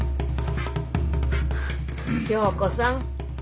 良子さん。